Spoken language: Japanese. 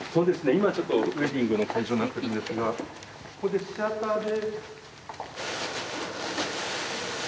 今ちょっとウエディングの会場になってるんですがここでシアターで。